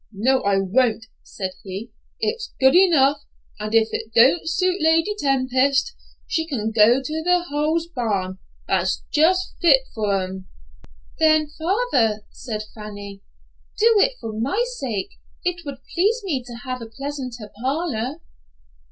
"No, I won't," said he. "It's good enough, and if it don't suit Lady Tempest, she can go to the hoss barn; that's just fit for 'em." "Then, father," said Fanny, "do it for my sake. It would please me to have a pleasanter parlor."